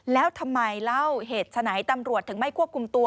แล้วทำไมเล่าเหตุฉะไหนตำรวจถึงไม่ควบคุมตัว